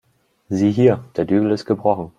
Sieh hier, der Dübel ist gebrochen.